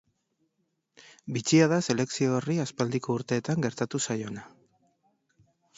Bitxia da selekzio horri aspaldiko urteetan gertatu zaiona.